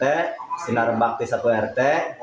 di sinarbakti satu rt